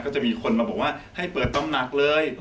จะมีคนมาบอกว่าให้เปิดต้องหนักเลย